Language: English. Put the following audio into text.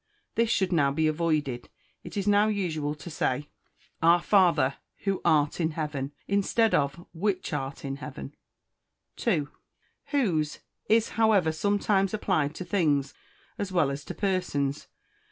_" This should now be avoided. It is now usual to say, "Our Father who art in heaven," instead of "which art in heaven." 2. Whose is, however, sometimes applied to things as well as to persons.